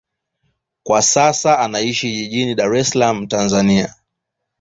Kwa sasa anaishi jijini Dar es Salaam, Tanzania.